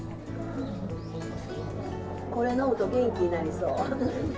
これ飲むと元気になりそう。